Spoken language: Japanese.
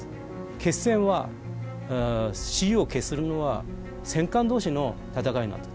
決戦は雌雄を決するのは戦艦同士の戦いなんだと。